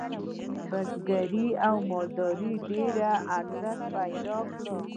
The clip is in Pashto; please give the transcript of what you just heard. بزګرۍ او مالدارۍ ډیر ارزښت پیدا کړ.